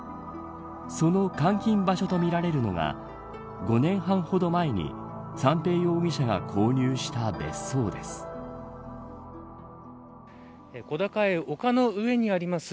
その監禁場所とみられるのが５年半ほど前に三瓶容疑者が購入した別荘です。